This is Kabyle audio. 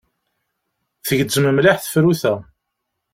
Tgezzem mliḥ tefrut-a.